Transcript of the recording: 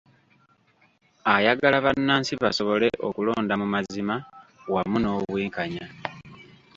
Ayagala bannansi basobole okulonda mu mazima wamu n'obwenkanya.